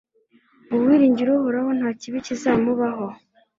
uwiringira uhoraho, nta kibi kizamubaho